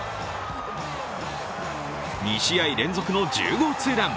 ２試合連続の１０号ツーラン。